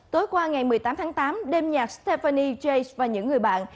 tối qua ngày một mươi tám tháng tám đêm nhạc stephanie chase và những người bạn